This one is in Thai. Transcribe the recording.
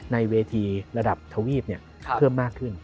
ในเวทีระดับทวีปเพิ่มมากขึ้น